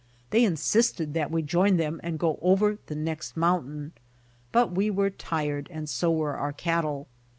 They insisted that we join them and go on over the next mountain. But we were tired and so were our cattle.